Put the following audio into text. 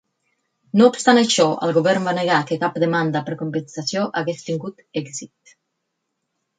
No obstant això, el govern va negar que cap demanda per compensació hagués tingut èxit.